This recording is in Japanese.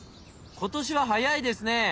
今年は早いですね！